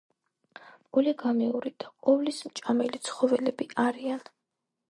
პოლიგამიური და ყოვლისმჭამელი ცხოველები არიან.